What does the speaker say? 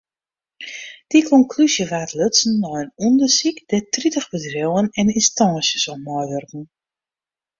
Dy konklúzje wurdt lutsen nei in ûndersyk dêr't tritich bedriuwen en ynstânsjes oan meiwurken.